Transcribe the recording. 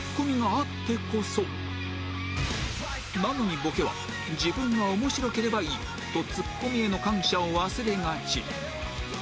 なのにボケは自分が面白ければいいとツッコミへの感謝を忘れがち